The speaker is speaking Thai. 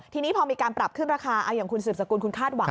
ทีนี้พอมีการปรับขึ้นราคาเอาอย่างคุณสืบสกุลคุณคาดหวัง